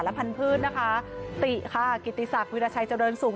พันธุ์นะคะติค่ะกิติศักดิราชัยเจริญสุข